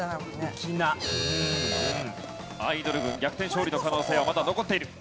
アイドル軍逆転勝利の可能性はまだ残っている。